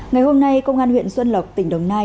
ngày hôm nay công an huyện xuân lộc tỉnh đồng nai